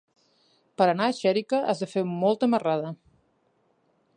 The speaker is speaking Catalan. Per anar a Xèrica has de fer molta marrada.